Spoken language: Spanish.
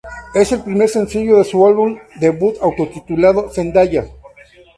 Es el primer sencillo de su álbum debut autotitulado "Zendaya".